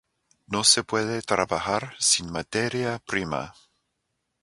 No se puede trabajar sin materia prima.